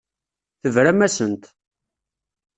Tebram-asent.